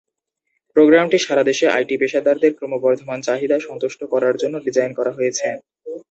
প্রোগ্রামটি সারা দেশে আইটি পেশাদারদের ক্রমবর্ধমান চাহিদা সন্তুষ্ট করার জন্য ডিজাইন করা হয়েছে।